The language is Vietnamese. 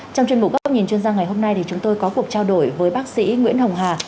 trong chuyên mục góc nhìn chuyên gia ngày hôm nay chúng tôi có cuộc trao đổi với bác sĩ nguyễn hồng hà